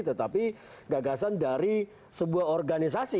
tetapi gagasan dari sebuah organisasi